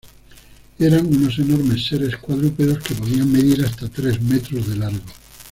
Eran unos enormes seres cuadrúpedos que podían medir hasta tres metros de largo.